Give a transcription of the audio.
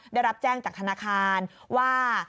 ได้รับแจ้งจากธนาคารว่า